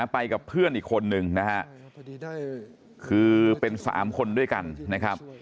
ไปกับเพื่อนอีกคนหนึ่งคือกับเป็นสามคนด้วยกันนะครับ